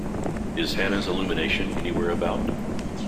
Is Hannah's illumination anywhere about?